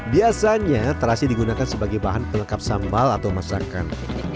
biasanya terasi digunakan sebagai bahan pelengkap sambal atau masakan